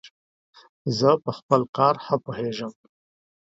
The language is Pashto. زه په خپل کار ښه پوهیژم.